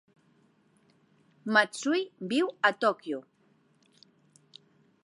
Matsui viu a Tòquio.